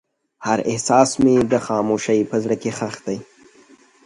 هر احساس مې د خاموشۍ په زړه کې ښخ دی.